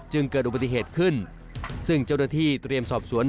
เกิดอุบัติเหตุขึ้นซึ่งเจ้าหน้าที่เตรียมสอบสวน